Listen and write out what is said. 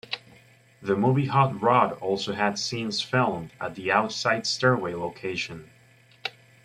The movie Hot Rod also had scenes filmed at the outside stairway location.